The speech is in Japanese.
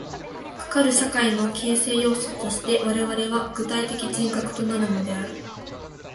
かかる社会の形成要素として我々は具体的人格となるのである。